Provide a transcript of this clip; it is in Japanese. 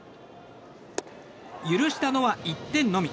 許したのは１点のみ。